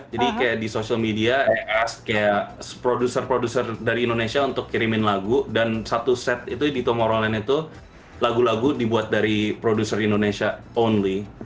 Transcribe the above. jadi kayak di social media i asked kayak produser produser dari indonesia untuk kirimin lagu dan satu set itu di tomorrowland itu lagu lagu dibuat dari produser indonesia only